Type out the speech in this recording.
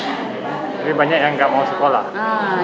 jadi banyak yang tidak mau sekolah